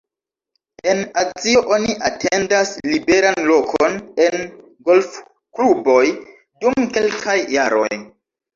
En Azio oni atendas liberan lokon en golfkluboj dum kelkaj jaroj.